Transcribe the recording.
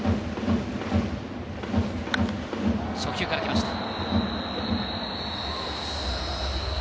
初球からきました。